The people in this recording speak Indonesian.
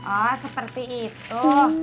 oh seperti itu